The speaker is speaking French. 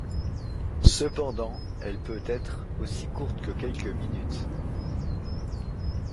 Cependant, elle peut être aussi courte que quelques minutes.